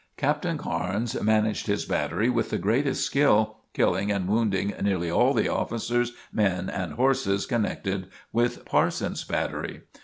Captain Carnes managed his battery with the greatest skill, killing and wounding nearly all the officers, men and horses connected with Parsons' battery.